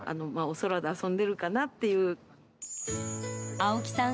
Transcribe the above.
青木さん